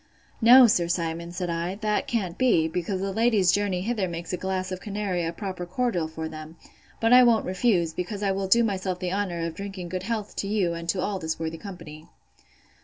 No, Sir Simon, said I, that can't be, because the ladies' journey hither makes a glass of canary a proper cordial for them: but I won't refuse; because I will do myself the honour of drinking good health to you, and to all this worthy company.